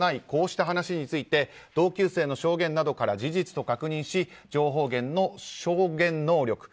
こうした話について同級生の証言などから事実と確認し情報源の証言能力